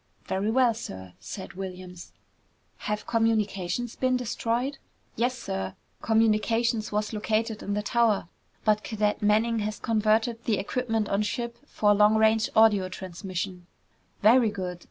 "Very well, sir," said Williams. "Have communications been destroyed?" "Yes, sir. Communications was located in the tower, but Cadet Manning has converted the equipment on ship for long range audio transmission." "Very good!"